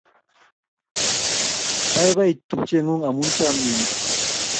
Baibai tupchengung amu chamyenyo